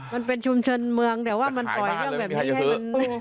มันเป็นชุมชนเมืองแต่ว่ามันปล่อยเรื่องแบบนี้ให้มัน